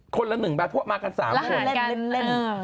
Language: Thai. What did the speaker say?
คนละ๑มากัน๓คนแล้วเล่น